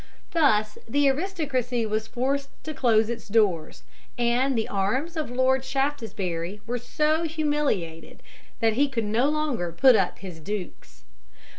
Thus the aristocracy was forced to close its doors, and the arms of Lord Shaftesbury were so humiliated that he could no longer put up his dukes (see Appendix).